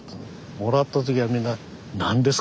もらった時はみんな何ですか？